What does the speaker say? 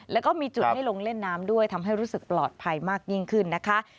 แล้วก็มีจุดให้ลงเล่นน้ำด้วยทำให้รู้สึกปลอดภัยมากยิ่งขึ้นนะคะ